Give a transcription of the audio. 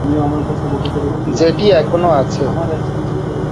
যেটি এখনো আছে।